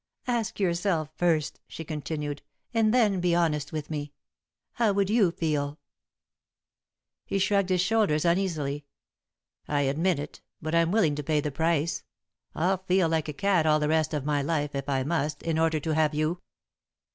"Ask yourself first," she continued, "and then be honest with me. How would you feel?" [Sidenote: Suppose There Is Another Woman] He shrugged his shoulders uneasily. "I admit it, but I'm willing to pay the price. I'll feel like a cad all the rest of my life, if I must, in order to have you."